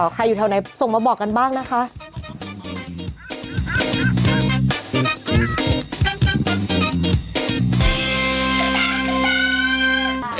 ใครอยู่แถวไหนส่งมาบอกกันบ้างนะคะ